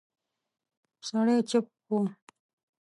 سړی چوپ و.